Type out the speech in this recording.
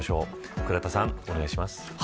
倉田さん、お願いします。